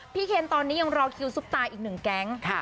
เคนตอนนี้ยังรอคิวซุปตาอีกหนึ่งแก๊ง